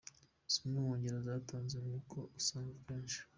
Zimwe mu ngero yatanze ni uko usanga akenshi.